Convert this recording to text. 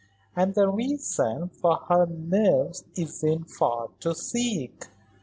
And the reason for her nerves isn't far to seek.